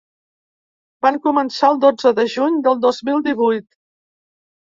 Van començar el dotze de juny de dos mil divuit.